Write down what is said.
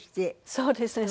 そうですね。